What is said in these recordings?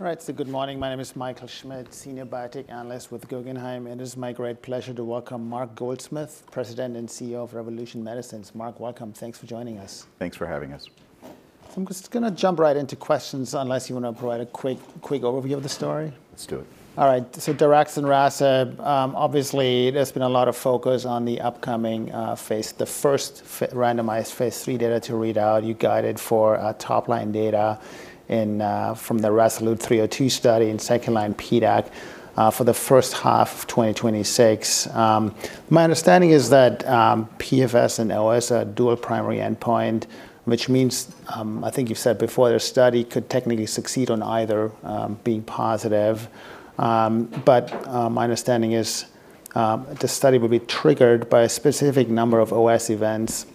All right, so good morning. My name is Michael Schmidt, Senior Biotech Analyst with Guggenheim, and it is my great pleasure to welcome Mark Goldsmith, President and CEO of Revolution Medicines. Mark, welcome. Thanks for joining us. Thanks for having us. I'm just going to jump right into questions unless you want to provide a quick, quick overview of the story. Let's do it. All right. So daraxonrasib, obviously there's been a lot of focus on the upcoming phase, the first fully randomized phase III data to read out. You guided for top-line data in from the RASolute 302 study and second-line PDAC for the first half of 2026. My understanding is that PFS and OS are dual primary endpoint, which means I think you've said before the study could technically succeed on either being positive. But my understanding is the study will be triggered by a specific number of OS events.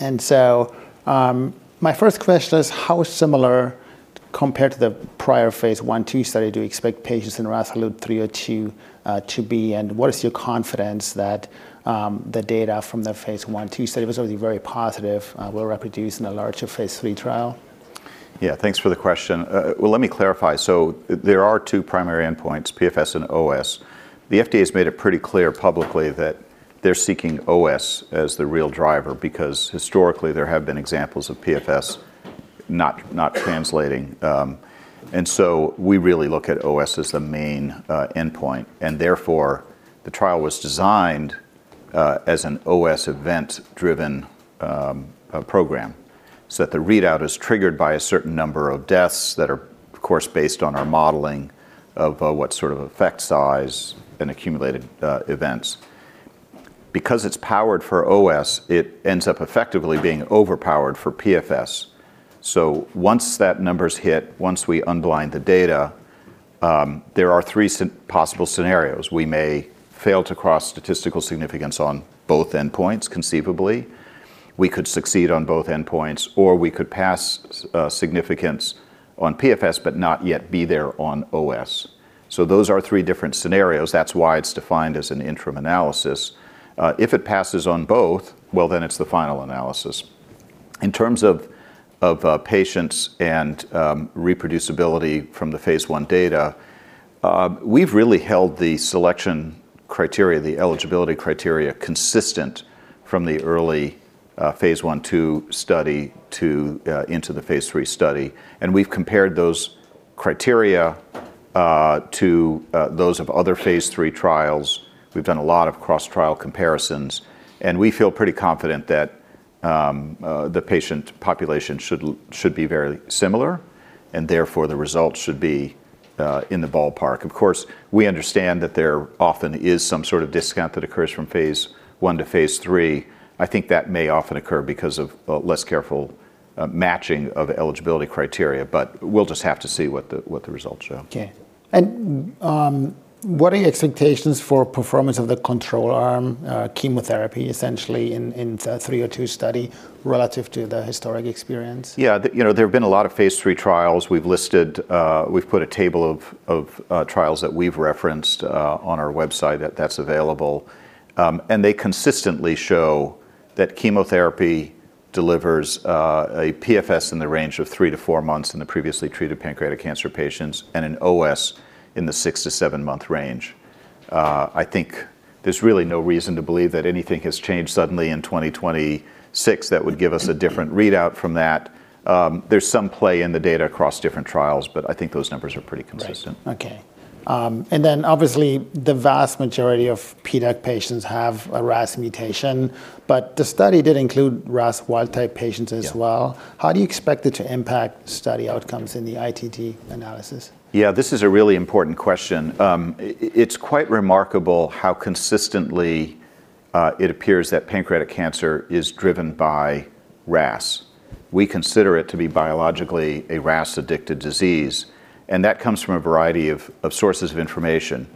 And so my first question is how similar compared to the prior phase I/II study do you expect patients in RASolute 302 to be? And what is your confidence that the data from the phase I/II study was already very positive will reproduce in a larger phase III trial? Yeah, thanks for the question. Well, let me clarify. So there are two primary endpoints, PFS and OS. The FDA has made it pretty clear publicly that they're seeking OS as the real driver because historically there have been examples of PFS not translating. And so we really look at OS as the main endpoint. And therefore the trial was designed as an OS event-driven program so that the readout is triggered by a certain number of deaths that are, of course, based on our modeling of what sort of effect size and accumulated events. Because it's powered for OS, it ends up effectively being overpowered for PFS. So once that number's hit, once we unblind the data, there are three possible scenarios. We may fail to cross statistical significance on both endpoints, conceivably. We could succeed on both endpoints, or we could pass significance on PFS but not yet be there on OS. So those are three different scenarios. That's why it's defined as an interim analysis. If it passes on both, well, then it's the final analysis. In terms of patients and reproducibility from the phase I data, we've really held the selection criteria, the eligibility criteria, consistent from the early phase I/II study into the phase III study. And we've compared those criteria to those of other phase III trials. We've done a lot of cross-trial comparisons. And we feel pretty confident that the patient population should be very similar, and therefore the results should be in the ballpark. Of course, we understand that there often is some sort of discount that occurs from phase I to phase III. I think that may often occur because of less careful matching of eligibility criteria. But we'll just have to see what the results show. Okay. What are your expectations for performance of the control arm, chemotherapy essentially in 302 study relative to the historic experience? Yeah, you know, there have been a lot of phase III trials. We've listed, we've put a table of trials that we've referenced on our website that's available. They consistently show that chemotherapy delivers a PFS in the range of three to four months in the previously treated pancreatic cancer patients and an OS in the six to seven month range. I think there's really no reason to believe that anything has changed suddenly in 2026 that would give us a different readout from that. There's some play in the data across different trials, but I think those numbers are pretty consistent. Right. Okay. And then obviously the vast majority of PDAC patients have a RAS mutation, but the study did include RAS wild type patients as well. How do you expect it to impact study outcomes in the ITT analysis? Yeah, this is a really important question. It's quite remarkable how consistently it appears that pancreatic cancer is driven by RAS. We consider it to be biologically a RAS-addicted disease, and that comes from a variety of sources of information.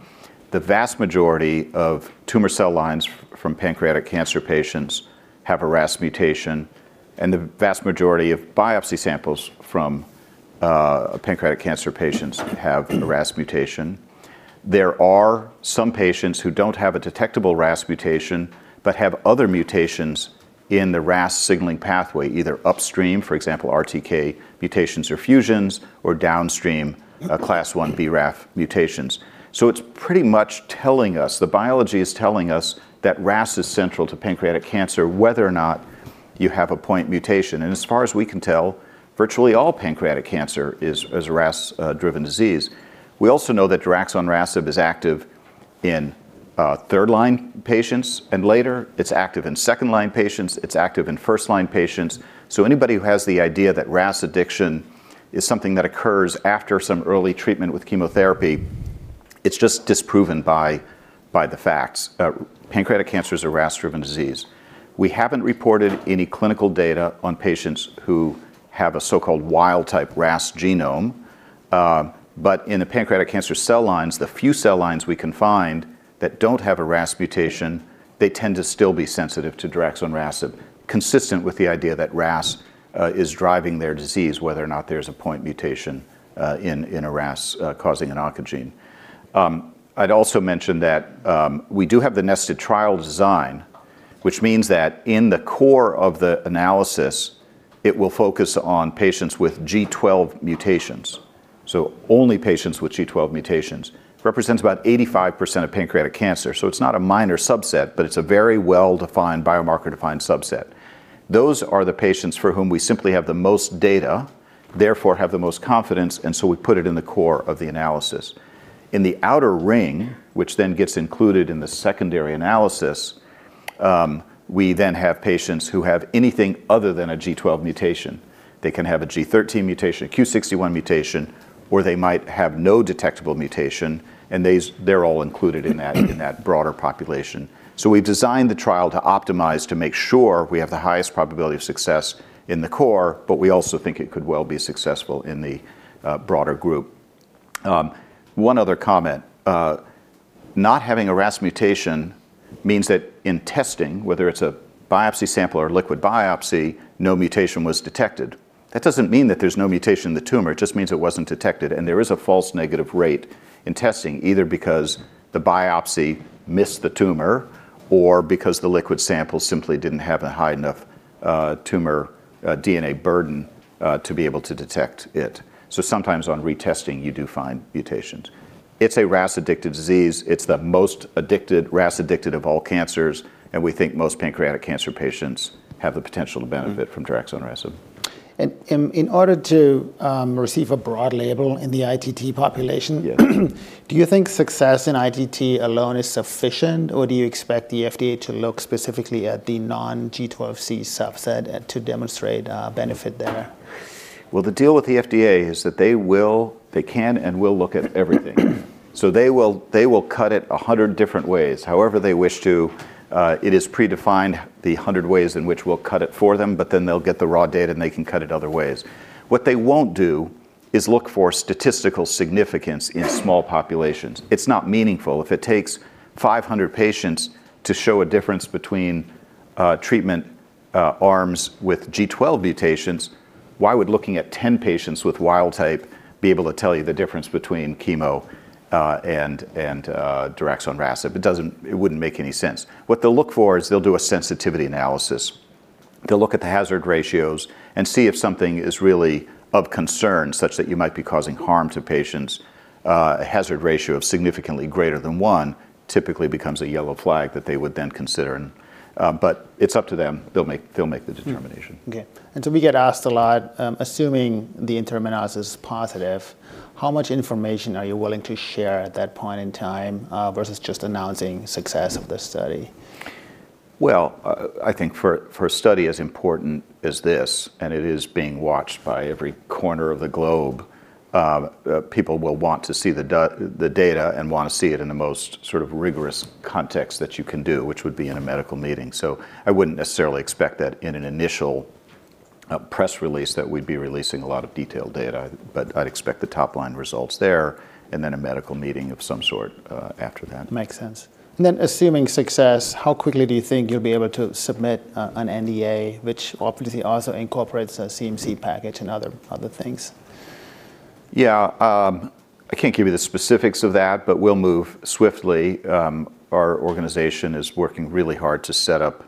The vast majority of tumor cell lines from pancreatic cancer patients have a RAS mutation, and the vast majority of biopsy samples from pancreatic cancer patients have a RAS mutation. There are some patients who don't have a detectable RAS mutation but have other mutations in the RAS signaling pathway, either upstream, for example, RTK mutations or fusions, or downstream, Class I BRAF mutations. So it's pretty much telling us the biology is telling us that RAS is central to pancreatic cancer, whether or not you have a point mutation. And as far as we can tell, virtually all pancreatic cancer is a RAS-driven disease. We also know that daraxonrasib is active in third-line patients and later. It's active in second-line patients. It's active in first-line patients. So anybody who has the idea that RAS addiction is something that occurs after some early treatment with chemotherapy, it's just disproven by the facts. Pancreatic cancer is a RAS-driven disease. We haven't reported any clinical data on patients who have a so-called wild-type RAS genome. But in the pancreatic cancer cell lines, the few cell lines we can find that don't have a RAS mutation, they tend to still be sensitive to daraxonrasib, consistent with the idea that RAS is driving their disease, whether or not there's a point mutation in a RAS causing an oncogene. I'd also mention that, we do have the nested trial design, which means that in the core of the analysis, it will focus on patients with G12 mutations. So only patients with G12 mutations represents about 85% of pancreatic cancer. So it's not a minor subset, but it's a very well-defined, biomarker-defined subset. Those are the patients for whom we simply have the most data, therefore have the most confidence, and so we put it in the core of the analysis. In the outer ring, which then gets included in the secondary analysis, we then have patients who have anything other than a G12 mutation. They can have a G13 mutation, a Q61 mutation, or they might have no detectable mutation, and they're all included in that broader population. So we've designed the trial to optimize to make sure we have the highest probability of success in the core, but we also think it could well be successful in the broader group. One other comment. Not having a RAS mutation means that in testing, whether it's a biopsy sample or a liquid biopsy, no mutation was detected. That doesn't mean that there's no mutation in the tumor. It just means it wasn't detected. And there is a false negative rate in testing, either because the biopsy missed the tumor or because the liquid sample simply didn't have a high enough tumor DNA burden to be able to detect it. So sometimes on retesting you do find mutations. It's a RAS-addicted disease. It's the most addicted RAS-addicted of all cancers, and we think most pancreatic cancer patients have the potential to benefit from daraxonrasib. In order to receive a broad label in the ITT population. Yes. Do you think success in ITT alone is sufficient, or do you expect the FDA to look specifically at the non-G12C subset and to demonstrate benefit there? Well, the deal with the FDA is that they will, they can and will look at everything. So they will cut it 100 different ways, however they wish to. It is predefined the 100 ways in which we'll cut it for them, but then they'll get the raw data and they can cut it other ways. What they won't do is look for statistical significance in small populations. It's not meaningful. If it takes 500 patients to show a difference between treatment arms with G12 mutations, why would looking at 10 patients with wild type be able to tell you the difference between chemo and daraxonrasib? It doesn't; it wouldn't make any sense. What they'll look for is they'll do a sensitivity analysis. They'll look at the hazard ratios and see if something is really of concern such that you might be causing harm to patients. A hazard ratio of significantly greater than one typically becomes a yellow flag that they would then consider. But it's up to them. They'll make the determination. Okay. And so we get asked a lot, assuming the interim analysis is positive, how much information are you willing to share at that point in time, versus just announcing success of the study? Well, I think for a study as important as this, and it is being watched by every corner of the globe, people will want to see the data and want to see it in the most sort of rigorous context that you can do, which would be in a medical meeting. So I wouldn't necessarily expect that in an initial press release that we'd be releasing a lot of detailed data. But I'd expect the top-line results there and then a medical meeting of some sort, after that. Makes sense. And then assuming success, how quickly do you think you'll be able to submit an NDA, which obviously also incorporates a CMC package and other, other things? Yeah. I can't give you the specifics of that, but we'll move swiftly. Our organization is working really hard to set up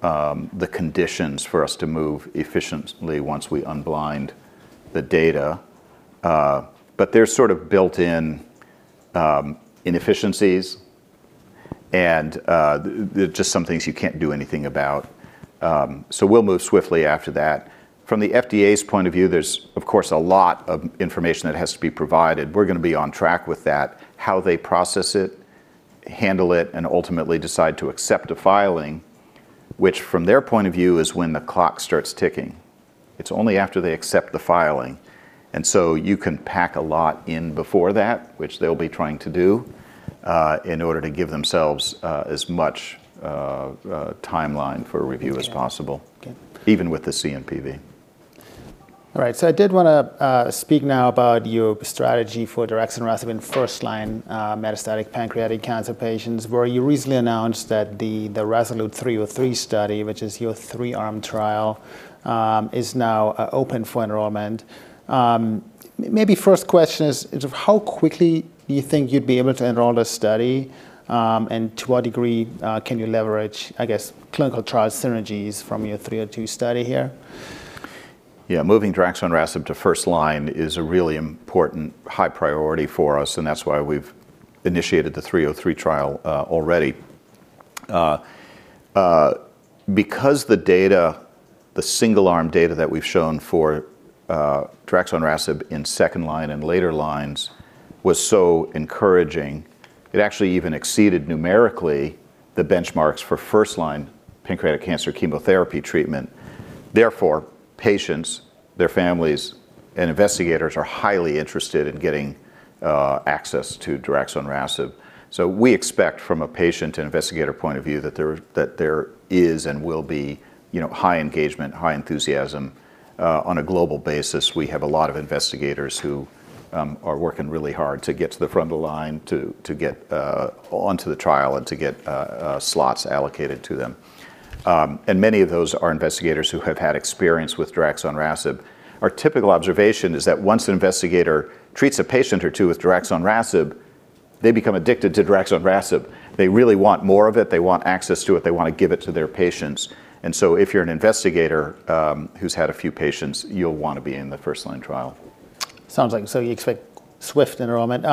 the conditions for us to move efficiently once we unblind the data. But there's sort of built-in inefficiencies and there are just some things you can't do anything about. So we'll move swiftly after that. From the FDA's point of view, there's of course a lot of information that has to be provided. We're going to be on track with that, how they process it, handle it, and ultimately decide to accept a filing, which from their point of view is when the clock starts ticking. It's only after they accept the filing. And so you can pack a lot in before that, which they'll be trying to do in order to give themselves as much timeline for review as possible, even with the CNPV. All right. So I did want to speak now about your strategy for daraxonrasib in first-line metastatic pancreatic cancer patients, where you recently announced that the RASolute 303 study, which is your three-arm trial, is now open for enrollment. Maybe first question is how quickly do you think you'd be able to enroll this study, and to what degree can you leverage, I guess, clinical trial synergies from your 302 study here? Yeah, moving daraxonrasib to first line is a really important high priority for us, and that's why we've initiated the 303 trial already, because the data, the single-arm data that we've shown for daraxonrasib in second line and later lines was so encouraging, it actually even exceeded numerically the benchmarks for first line pancreatic cancer chemotherapy treatment. Therefore, patients, their families, and investigators are highly interested in getting access to daraxonrasib. So we expect from a patient and investigator point of view that there is and will be, you know, high engagement, high enthusiasm. On a global basis, we have a lot of investigators who are working really hard to get to the front of the line, to get onto the trial and to get slots allocated to them. Many of those are investigators who have had experience with daraxonrasib. Our typical observation is that once an investigator treats a patient or two with daraxonrasib, they become addicted to daraxonrasib. They really want more of it. They want access to it. They want to give it to their patients. If you're an investigator who's had a few patients, you'll want to be in the first line trial. Sounds like, so you expect swift enrollment.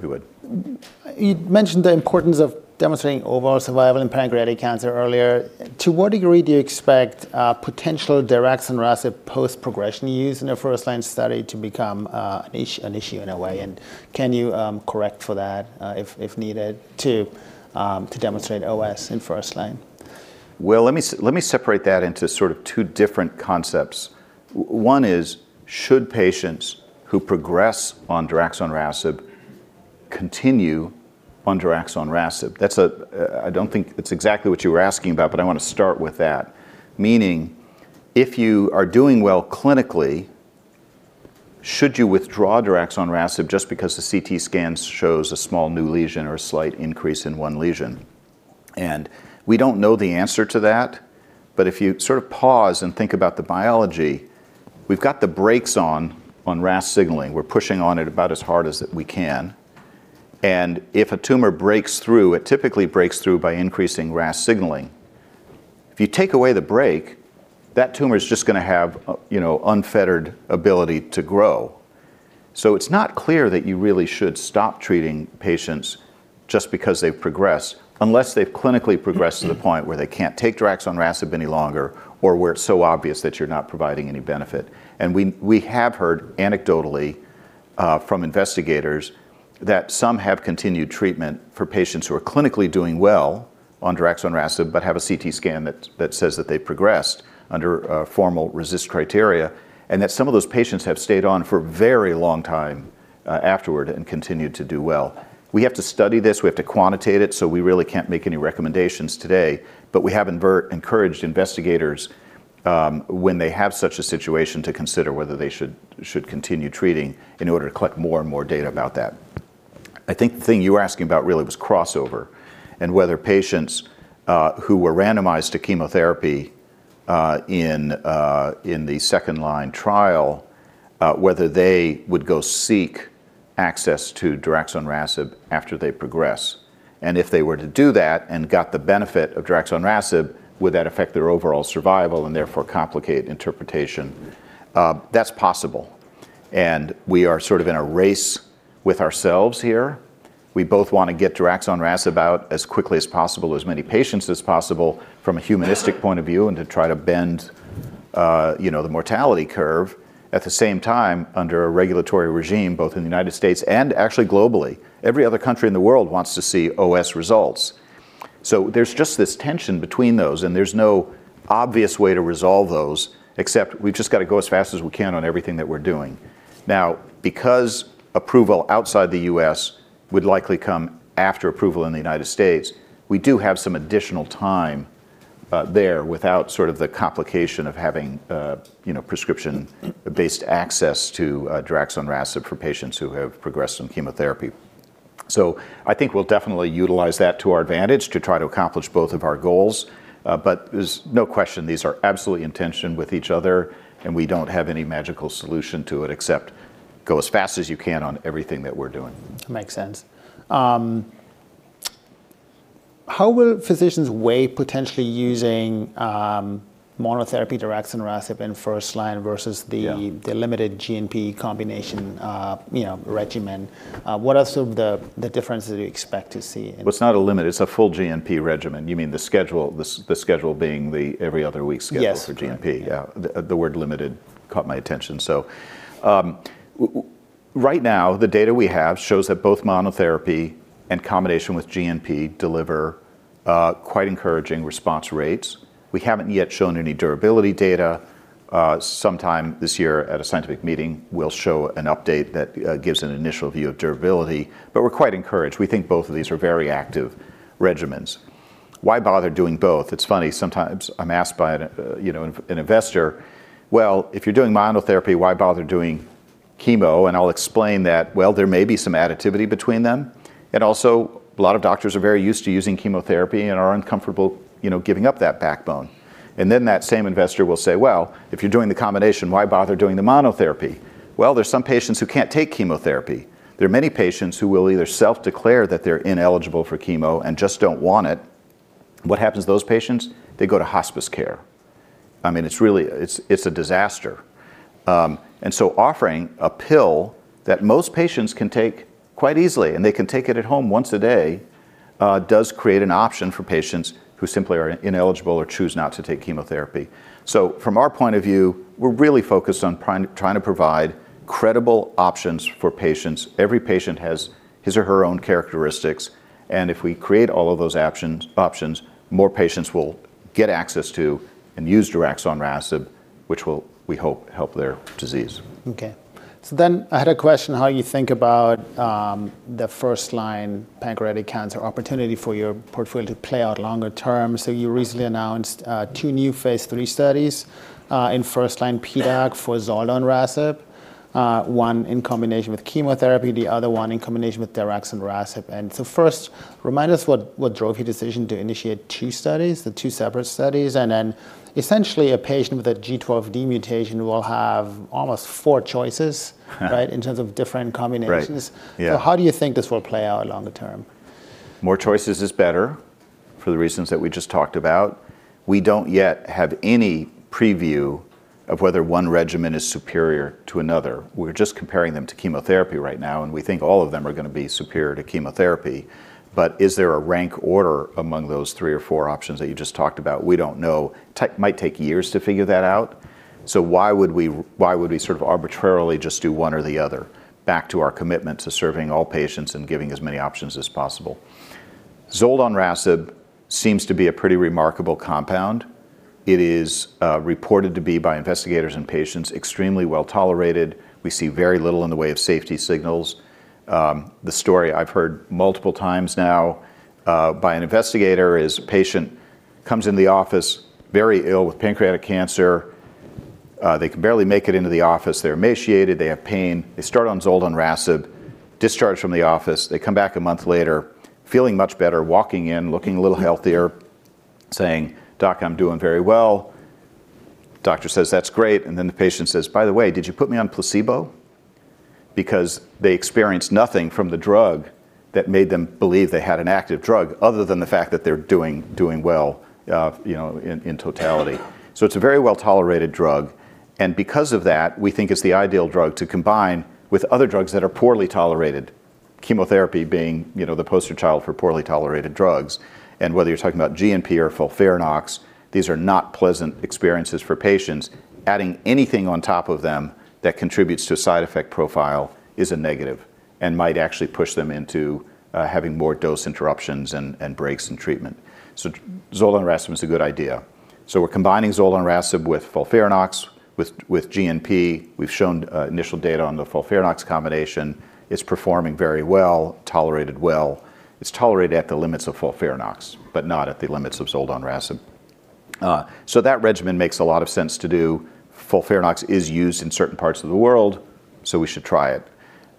We would. You'd mentioned the importance of demonstrating overall survival in pancreatic cancer earlier. To what degree do you expect potential daraxonrasib post-progression use in a first-line study to become an issue in a way? And can you correct for that, if needed, to demonstrate OS in first line? Well, let me separate that into sort of two different concepts. One is should patients who progress on daraxonrasib continue on daraxonrasib? That's a, I don't think it's exactly what you were asking about, but I want to start with that. Meaning if you are doing well clinically, should you withdraw daraxonrasib just because the CT scan shows a small new lesion or a slight increase in one lesion? And we don't know the answer to that. But if you sort of pause and think about the biology, we've got the brakes on RAS signaling. We're pushing on it about as hard as we can. And if a tumor breaks through, it typically breaks through by increasing RAS signaling. If you take away the brake, that tumor's just going to have, you know, unfettered ability to grow. So it's not clear that you really should stop treating patients just because they've progressed, unless they've clinically progressed to the point where they can't take daraxonrasib any longer or where it's so obvious that you're not providing any benefit. And we have heard anecdotally from investigators that some have continued treatment for patients who are clinically doing well on daraxonrasib but have a CT scan that says that they've progressed under formal RECIST criteria and that some of those patients have stayed on for a very long time afterward and continued to do well. We have to study this. We have to quantitate it. So we really can't make any recommendations today. But we have in fact encouraged investigators, when they have such a situation to consider whether they should continue treating in order to collect more and more data about that. I think the thing you were asking about really was crossover and whether patients, who were randomized to chemotherapy in the second line trial, whether they would go seek access to daraxonrasib after they progress. And if they were to do that and got the benefit of daraxonrasib, would that affect their overall survival and therefore complicate interpretation? That's possible. And we are sort of in a race with ourselves here. We both want to get daraxonrasib out as quickly as possible, as many patients as possible from a humanistic point of view and to try to bend, you know, the mortality curve. At the same time, under a regulatory regime both in the United States and actually globally, every other country in the world wants to see OS results. So there's just this tension between those, and there's no obvious way to resolve those except we've just got to go as fast as we can on everything that we're doing. Now, because approval outside the U.S. would likely come after approval in the United States, we do have some additional time, there without sort of the complication of having, you know, prescription-based access to, daraxonrasib for patients who have progressed from chemotherapy. So I think we'll definitely utilize that to our advantage to try to accomplish both of our goals. But there's no question these are absolutely in tension with each other, and we don't have any magical solution to it except go as fast as you can on everything that we're doing. That makes sense. How will physicians weigh potentially using monotherapy daraxonrasib in first line versus the limited GNP combination, you know, regimen? What are some of the differences you expect to see in? Well, it's not a limited. It's a full GNP regimen. You mean the schedule being the every other week schedule for GNP. Yeah. Yeah. The word limited caught my attention. So, right now, the data we have shows that both monotherapy and combination with GNP deliver quite encouraging response rates. We haven't yet shown any durability data. Sometime this year at a scientific meeting, we'll show an update that gives an initial view of durability. But we're quite encouraged. We think both of these are very active regimens. Why bother doing both? It's funny. Sometimes I'm asked by, you know, an investor, "Well, if you're doing monotherapy, why bother doing chemo?" And I'll explain that, "Well, there may be some additivity between them. And also, a lot of doctors are very used to using chemotherapy and are uncomfortable, you know, giving up that backbone." And then that same investor will say, "Well, if you're doing the combination, why bother doing the monotherapy?" Well, there's some patients who can't take chemotherapy. There are many patients who will either self-declare that they're ineligible for chemo and just don't want it. What happens to those patients? They go to hospice care. I mean, it's really, it's a disaster. And so offering a pill that most patients can take quite easily and they can take it at home once a day, does create an option for patients who simply are ineligible or choose not to take chemotherapy. So from our point of view, we're really focused on primarily trying to provide credible options for patients. Every patient has his or her own characteristics. If we create all of those options, more patients will get access to and use daraxonrasib, which will, we hope, help their disease. Okay. So then I had a question: how you think about the first-line pancreatic cancer opportunity for your portfolio to play out long-term. You recently announced two new phase III studies in first-line PDAC for zoldonrasib, one in combination with chemotherapy, the other one in combination with daraxonrasib. First, remind us what what drove your decision to initiate two studies, the two separate studies, and then essentially a patient with a G12D mutation will have almost four choices, right, in terms of different combinations. Right. Yeah. How do you think this will play out longer term? More choices is better for the reasons that we just talked about. We don't yet have any preview of whether one regimen is superior to another. We're just comparing them to chemotherapy right now, and we think all of them are going to be superior to chemotherapy. But is there a rank order among those three or four options that you just talked about? We don't know. Tech might take years to figure that out. So why would we sort of arbitrarily just do one or the other back to our commitment to serving all patients and giving as many options as possible? Zoldonrasib seems to be a pretty remarkable compound. It is reported to be by investigators and patients extremely well tolerated. We see very little in the way of safety signals. The story I've heard multiple times now, by an investigator is patient comes in the office very ill with pancreatic cancer. They can barely make it into the office. They're emaciated. They have pain. They start on zoldonrasib, discharged from the office. They come back a month later feeling much better, walking in, looking a little healthier, saying, "Doc, I'm doing very well." Doctor says, "That's great." And then the patient says, "By the way, did you put me on placebo?" Because they experienced nothing from the drug that made them believe they had an active drug other than the fact that they're doing well, you know, in totality. So it's a very well tolerated drug. And because of that, we think it's the ideal drug to combine with other drugs that are poorly tolerated, chemotherapy being, you know, the poster child for poorly tolerated drugs. And whether you're talking about GNP or FOLFIRINOX, these are not pleasant experiences for patients. Adding anything on top of them that contributes to a side effect profile is a negative and might actually push them into having more dose interruptions and breaks in treatment. So zoldonrasib is a good idea. So we're combining zoldonrasib with FOLFIRINOX with GNP. We've shown initial data on the FOLFIRINOX combination. It's performing very well, tolerated well. It's tolerated at the limits of FOLFIRINOX but not at the limits of zoldonrasib. So that regimen makes a lot of sense to do. FOLFIRINOX is used in certain parts of the world, so we should try it.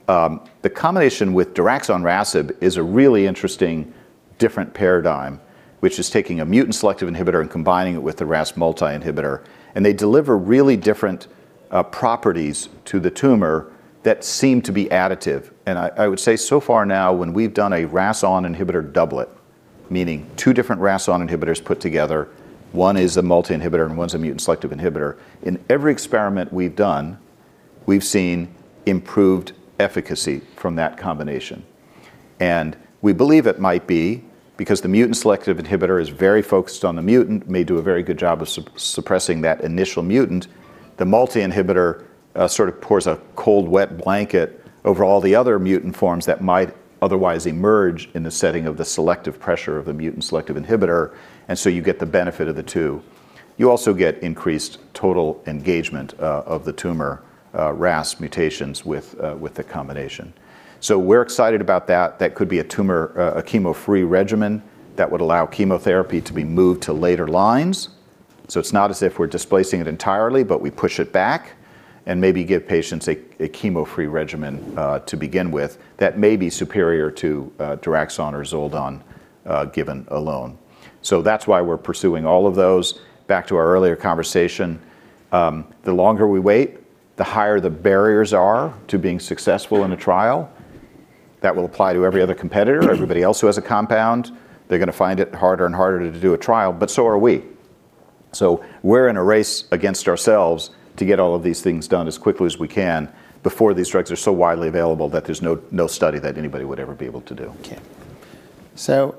The combination with daraxonrasib is a really interesting different paradigm, which is taking a mutant selective inhibitor and combining it with the RAS multi-inhibitor. And they deliver really different properties to the tumor that seem to be additive. And I would say so far now, when we've done a RAS(ON) inhibitor doublet, meaning two different RAS(ON) inhibitors put together, one is a multi-inhibitor and one's a mutant selective inhibitor, in every experiment we've done, we've seen improved efficacy from that combination. And we believe it might be because the mutant selective inhibitor is very focused on the mutant, may do a very good job of suppressing that initial mutant. The multi-inhibitor sort of pours a cold wet blanket over all the other mutant forms that might otherwise emerge in the setting of the selective pressure of the mutant selective inhibitor. And so you get the benefit of the two. You also get increased total engagement of the tumor RAS mutations with the combination. So we're excited about that. That could be antitumor, a chemo-free regimen that would allow chemotherapy to be moved to later lines. So it's not as if we're displacing it entirely, but we push it back and maybe give patients a chemo-free regimen to begin with that may be superior to daraxonrasib or zoldonrasib given alone. So that's why we're pursuing all of those. Back to our earlier conversation, the longer we wait, the higher the barriers are to being successful in a trial. That will apply to every other competitor. Everybody else who has a compound, they're going to find it harder and harder to do a trial. But so are we. So we're in a race against ourselves to get all of these things done as quickly as we can before these drugs are so widely available that there's no, no study that anybody would ever be able to do. Okay. So,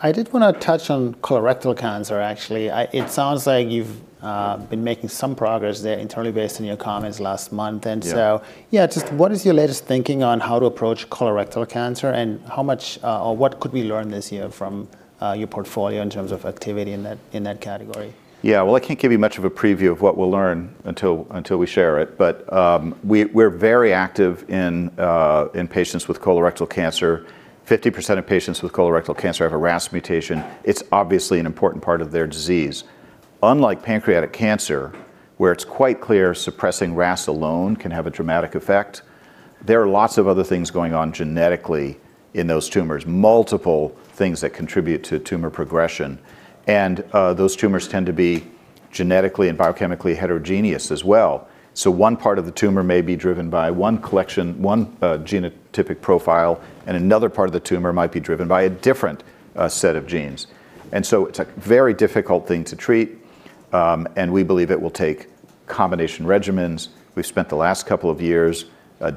I did want to touch on colorectal cancer, actually. It sounds like you've been making some progress there internally based on your comments last month and so. Yeah. Yeah. Just what is your latest thinking on how to approach colorectal cancer and how much, or what could we learn this year from, your portfolio in terms of activity in that in that category? Yeah. Well, I can't give you much of a preview of what we'll learn until we share it. But, we're very active in patients with colorectal cancer. 50% of patients with colorectal cancer have a RAS mutation. It's obviously an important part of their disease. Unlike pancreatic cancer, where it's quite clear suppressing RAS alone can have a dramatic effect, there are lots of other things going on genetically in those tumors, multiple things that contribute to tumor progression. And, those tumors tend to be genetically and biochemically heterogeneous as well. So one part of the tumor may be driven by one collection, one, genotypic profile, and another part of the tumor might be driven by a different, set of genes. And so it's a very difficult thing to treat. and we believe it will take combination regimens. We've spent the last couple of years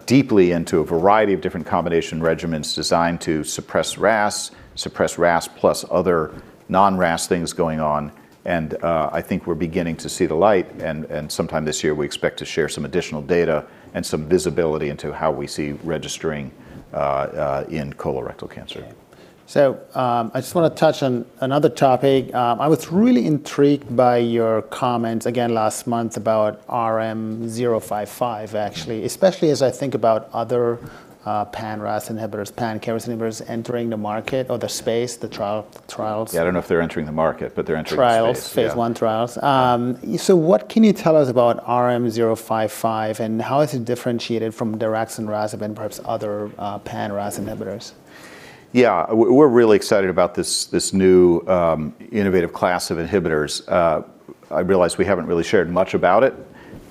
deeply into a variety of different combination regimens designed to suppress RAS, suppress RAS plus other non-RAS things going on. I think we're beginning to see the light. And sometime this year, we expect to share some additional data and some visibility into how we see registering in colorectal cancer. Okay. So, I just want to touch on another topic. I was really intrigued by your comments again last month about RM-055, actually, especially as I think about other pan-RAS inhibitors, pan-CARIS inhibitors entering the market or the space, the trials. Yeah. I don't know if they're entering the market, but they're entering the space. Trials, phase I trials. What can you tell us about RM-055 and how is it differentiated from daraxonrasib and perhaps other, pan-RAS inhibitors? Yeah. We're really excited about this, this new, innovative class of inhibitors. I realize we haven't really shared much about it.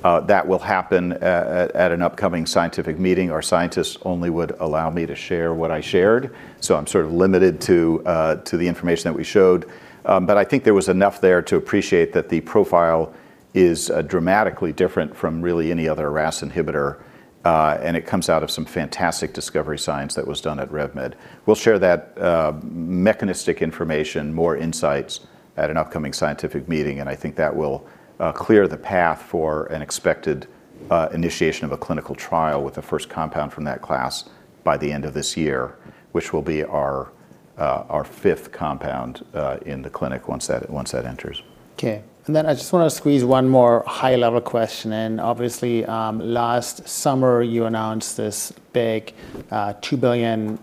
That will happen at an upcoming scientific meeting. Our scientists only would allow me to share what I shared. So I'm sort of limited to the information that we showed. But I think there was enough there to appreciate that the profile is dramatically different from really any other RAS inhibitor. And it comes out of some fantastic discovery science that was done at RevMed. We'll share that mechanistic information, more insights at an upcoming scientific meeting. And I think that will clear the path for an expected initiation of a clinical trial with the first compound from that class by the end of this year, which will be our fifth compound in the clinic once that enters. Okay. And then I just want to squeeze one more high-level question. And obviously, last summer, you announced this big $2 billion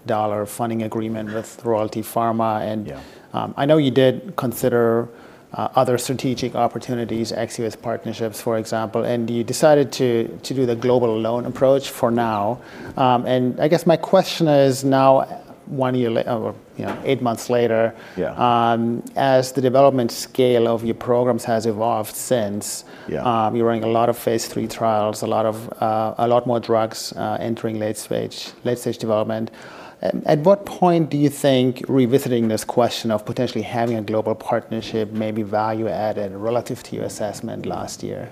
funding agreement with Royalty Pharma. And I know you did consider other strategic opportunities, ex-U.S. partnerships, for example. And you decided to do the global alone approach for now. And I guess my question is now one year later, or you know, eight months later. Yeah. As the development scale of your programs has evolved since, you're running a lot of phase III trials, a lot of, a lot more drugs, entering late stage, late stage development. At what point do you think revisiting this question of potentially having a global partnership may be value added relative to your assessment last year?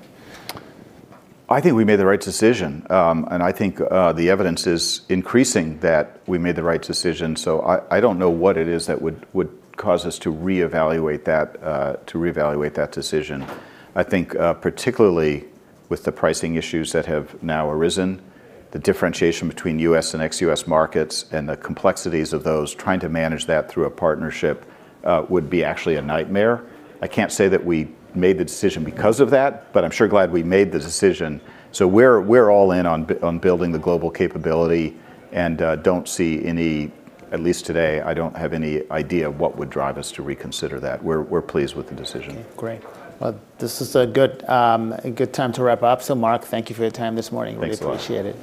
I think we made the right decision. And I think, the evidence is increasing that we made the right decision. So I, I don't know what it is that would, would cause us to reevaluate that, to reevaluate that decision. I think, particularly with the pricing issues that have now arisen, the differentiation between U.S. and ex-U.S. markets and the complexities of those, trying to manage that through a partnership, would be actually a nightmare. I can't say that we made the decision because of that, but I'm sure glad we made the decision. So we're, we're all in on building the global capability and, don't see any, at least today, I don't have any idea what would drive us to reconsider that. We're, we're pleased with the decision. Okay. Great. Well, this is a good time to wrap up. So, Mark, thank you for your time this morning. Really appreciate it.